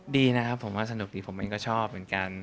ดีนะครับผมว่าสนุกดีผมเองก็ชอบเหมือนกัน